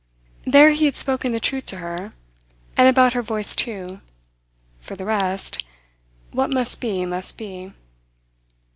There he had spoken the truth to her; and about her voice, too. For the rest what must be must be.